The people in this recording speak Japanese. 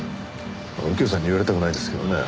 右京さんに言われたくないですけどね。